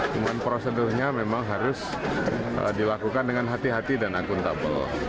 cuma prosedurnya memang harus dilakukan dengan hati hati dan akuntabel